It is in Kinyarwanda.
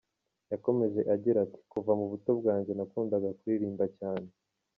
Yakomeje agira ati ‘‘Kuva mu buto bwanjye nakundaga kuririmba cyane.